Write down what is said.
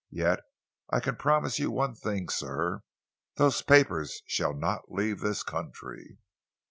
"Yet I can promise you one thing, sir. Those papers shall not leave the country."